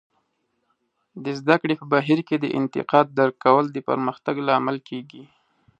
د زده کړې په بهیر کې د انتقاد درک کول د پرمختګ لامل کیږي.